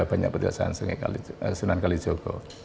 banyak berdasarkan sunan kalijogo